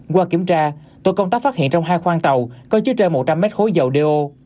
qua kiểm tra tội công tác phát hiện trong hai khoang tàu có chứa trên một trăm linh m khối dầu do